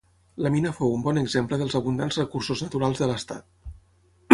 La mina fou un bon exemple dels abundants recursos naturals de l'estat.